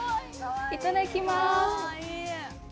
いただきます。